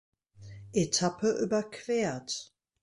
Etappe überquert.